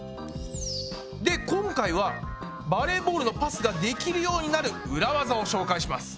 で今回はバレーボールのパスができるようになる裏ワザを紹介します！